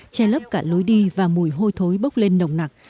che lấp cả lối đi và mùi hôi thối bốc lên nồng nặc